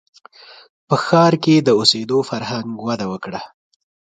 • په ښار کې د اوسېدو فرهنګ وده وکړه.